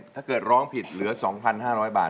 ถ้าเกิดร้องผิดเหลือ๒๕๐๐บาท